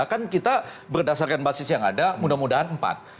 kan kita berdasarkan basis yang ada mudah mudahan empat